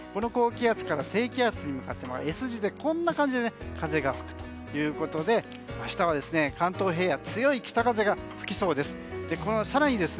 高気圧から低気圧に向かってＳ字で風が吹くということで明日は関東平野に強い北風が吹きそうです。